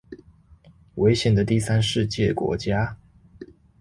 危險的第三世界國家